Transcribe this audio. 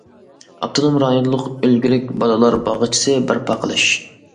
ئاپتونوم رايونلۇق ئۈلگىلىك بالىلار باغچىسى بەرپا قىلىش.